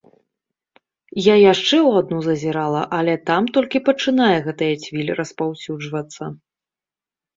Я яшчэ ў адну зазірала, але там толькі пачынае гэтая цвіль распаўсюджвацца.